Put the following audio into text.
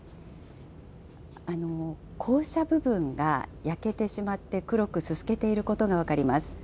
校舎部分が焼けてしまって、黒くすすけていることが分かります。